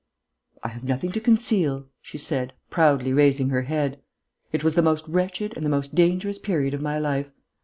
"I have nothing to conceal," she said, proudly raising her head. "It was the most wretched and the most dangerous period of my life.